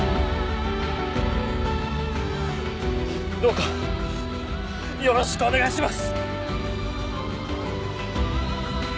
どうかよろしくお願いします！